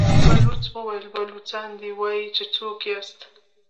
بلوڅ وويل: بلوڅان دي، وايي چې څوک ياست؟